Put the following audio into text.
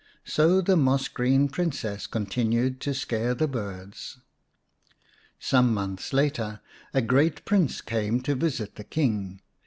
So the moss green Princess continued to scare the birds. Some months later a great Prince came to visit the King.